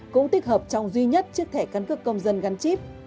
cũng tích hợp trong duy nhất chiếc thẻ căn cước công dân gắn chip